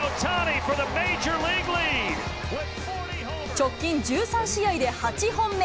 直近１３試合で８本目。